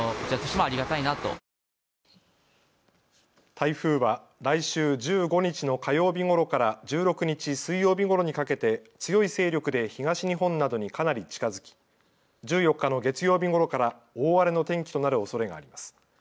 台風は来週１５日の火曜日ごろから１６日水曜日ごろにかけて強い勢力で東日本などにかなり近づき１４日の月曜日ごろから大荒れの天気となるおそれがあります。